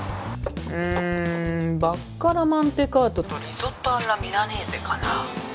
うーんバッカラ・マンテカートとリゾット・アッラ・ミラネーゼかな？